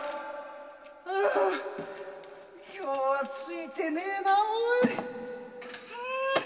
今日はついてねえなおい。